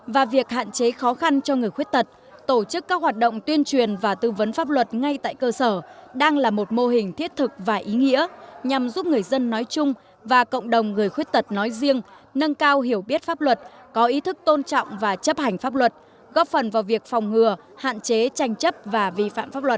và việc hạn chế khó khăn cho người khuyết tật tổ chức các hoạt động tuyên truyền và tư vấn pháp luật ngay tại cơ sở đang là một mô hình thiết thực và ý nghĩa nhằm giúp người dân nói chung và cộng đồng người khuyết tật nói riêng nâng cao hiểu biết pháp luật có ý thức tôn trọng và chấp hành pháp luật góp phần vào việc phòng ngừa hạn chế tranh chấp và vi phạm pháp luật